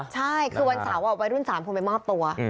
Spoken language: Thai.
ใช่คือวันเสาร์วัยรุ่น๓คนไปมอบตัว